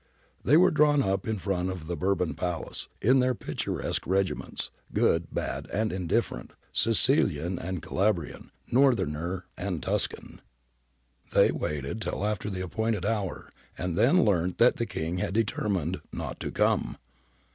They were drawn up in front of the Bourbon Palace in their picturesque regiments — good, bad, and indifferent, Sicilian and Cala brian, Northerner and Tuscan. They waited till after the appointed hour and then learnt that the King had determined not to come.